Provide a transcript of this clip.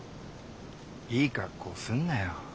いい格好すんなよ。